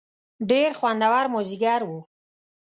ډېر خوندور مازیګر و.